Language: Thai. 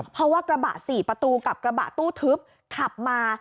เพราะว่ากระบะ๔ประตูกับกระบะตู้ทึบขับมา